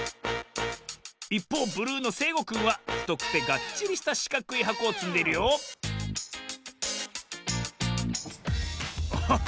いっぽうブルーのせいごくんはふとくてがっちりしたしかくいはこをつんでいるよおっ！